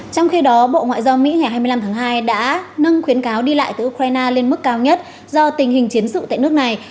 trong khi đó bộ ngoại giao mỹ ngày hai mươi năm tháng hai đã nâng khuyến cáo đi lại từ ukraine lên mức cao nhất do tình hình chiến sự tại nước này